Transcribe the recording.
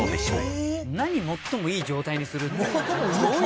「最もいい状態にする」って。